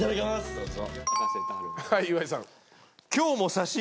どうぞ。